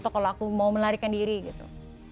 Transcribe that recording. kalau aku mau melarikan diri gitu